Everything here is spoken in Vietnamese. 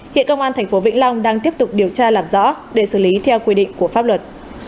hiện công an tp vĩnh long đang tiếp tục điều tra làm rõ để xử lý theo quy định của pháp luật